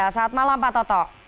selamat malam pak toto